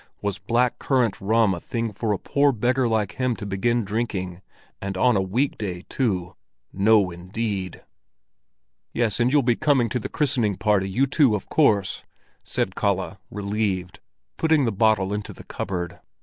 Was black currant rum a thing for a poor beggar like him to begin drinking—and on a weekday, too? No, indeed! "Yes, and you'll be coming to the christening party, you two, of course," said Kalle, relieved, putting the bottle into the cupboard.